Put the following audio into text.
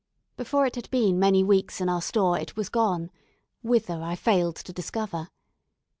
Before it had been many weeks in our store it was gone whither, I failed to discover.